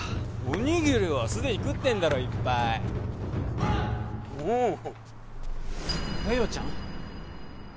おにぎりはすでに食ってんだろいっぱいおおっやよちゃん！？